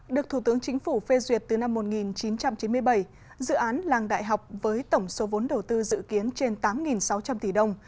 được thủ tướng chính phủ phê duyệt từ năm một nghìn chín trăm chín mươi bảy dự án làng đại học với tổng số vốn đầu tư dự kiến trên tám sáu trăm linh tỷ đồng